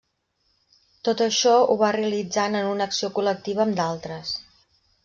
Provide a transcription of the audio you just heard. Tot això ho va realitzant en una acció col·lectiva amb d'altres.